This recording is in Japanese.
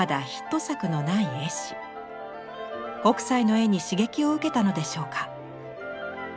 北斎の絵に刺激を受けたのでしょうか。